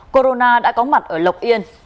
corona đã có mặt ở lộc yên